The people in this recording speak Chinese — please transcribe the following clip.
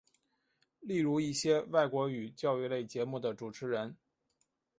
例如一些外国语教育类节目的主持人。